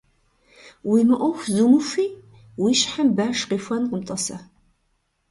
Уи мыӀуэху зумыхуи, уи щхьэм баш къихуэнкъым, тӀасэ.